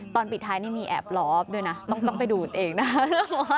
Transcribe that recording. ตอนปิดท้ายนี่มีแอบล้อมด้วยนะต้องไปดูกันเองนะ